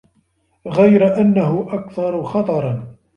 غَيْرَ أَنَّهُ أَكْثَرُ خَطَرًا